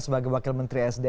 sebagai wakil menteri sd